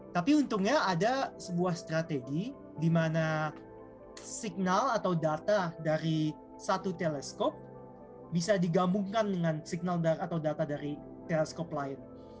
tapi untungnya ada sebuah strategi di mana signal atau data dari satu teleskop bisa digabungkan dengan signal atau data dari teleskop lain